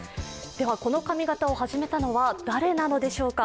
では、この髪型を始めたのは誰なのでしょうか。